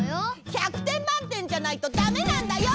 １００てんまんてんじゃないとダメなんだよ！